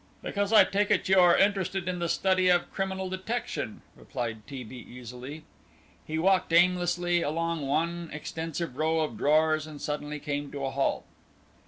"Because I take it you are interested in the study of criminal detection," replied T. B. easily. He walked aimlessly along one extensive row of drawers, and suddenly came to a halt.